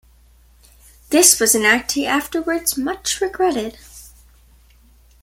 This was an act he afterwards much regretted.